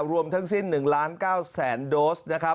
รวมทั้งสิ้น๑๙๐๐๐๐๐โดส